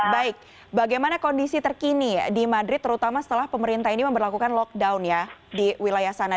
baik bagaimana kondisi terkini di madrid terutama setelah pemerintah ini memperlakukan lockdown ya di wilayah sana